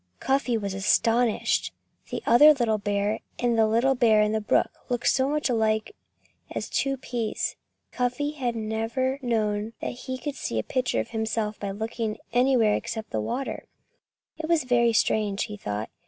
Cuffy was astonished. The other little bear and the little bear in the brook looked as much alike as two peas. Cuffy had never known that he could see a picture of himself by looking anywhere except into water. It was very strange, he thought.